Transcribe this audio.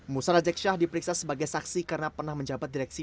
musa rajeksah diperiksa sebagai saksi karena pernah menjabat direksi